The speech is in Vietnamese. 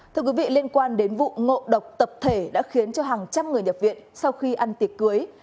thưa quý vị liên quan đến vụ ngộ độc tập thể đã khiến cho hàng trăm người nhập viện sau khi ăn tiệc cưới